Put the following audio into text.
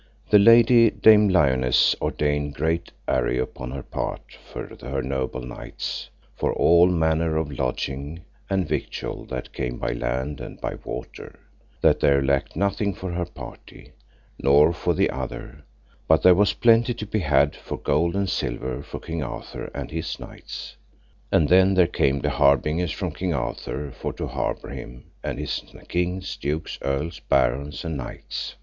The Lady Dame Lionesse ordained great array upon her part for her noble knights, for all manner of lodging and victual that came by land and by water, that there lacked nothing for her party, nor for the other, but there was plenty to be had for gold and silver for King Arthur and his knights. And then there came the harbingers from King Arthur for to harbour him, and his kings, dukes, earls, barons, and knights.